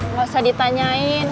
gak usah ditanyain